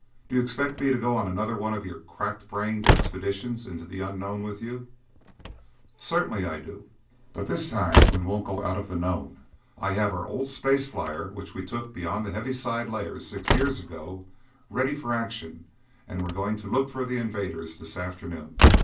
"Do you expect me to go on another one of your crack brained expeditions into the unknown with you?" "Certainly I do, but this time we won't go out of the known. I have our old space flyer which we took beyond the heaviside layer six years ago ready for action and we're going to look for the invaders this afternoon."